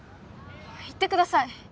言ってください